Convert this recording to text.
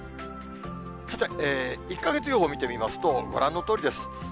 さて、１か月予報見てみますと、ご覧のとおりです。